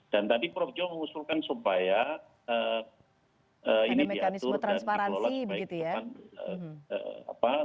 dan tadi prof joe mengusulkan supaya ini diatur dan dikelola kebaikan